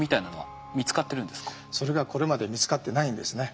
それがこれまで見つかってないんですね。